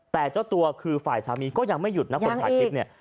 แต่เจ้าตัวคือฝ่ายสามีก็ยังไม่หยุดนะคนถ่ายคลิปเนี่ย